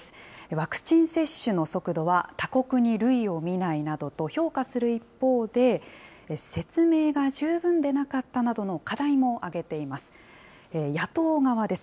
ワクチン接種の速度は他国に類を見ないなどと評価する一方で、説明が十分でなかったなどの課題も挙げています。